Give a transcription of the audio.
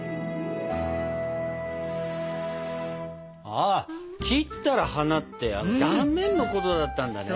ああ切ったら花って断面のことだったんだね。